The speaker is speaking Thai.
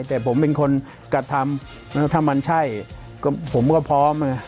แต่ผมเป็นคนกระทำถ้ามันใช่ก็ผมก็พร้อม